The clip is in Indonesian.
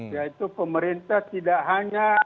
yaitu pemerintah tidak hanya